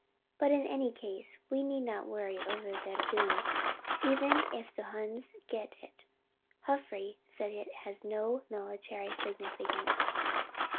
But in any case we need not worry over Verdun, even if the Huns get it. Joffre says it has no military significance."